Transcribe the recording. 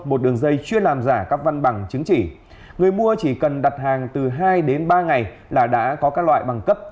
một đường dây chuyên làm giả các văn bằng chứng chỉ người mua chỉ cần đặt hàng từ hai đến ba ngày là đã có các loại bằng cấp